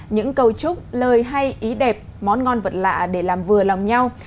những cấu trúc lời hay ý đẹp món ngon vật lạ để làm vừa lòng nhau